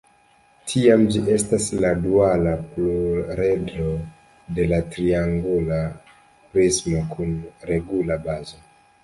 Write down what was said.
Tiam gi estas la duala pluredro de la triangula prismo kun regula bazo.